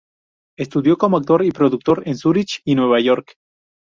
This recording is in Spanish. Estudió como actor y productor en Zúrich y Nueva York.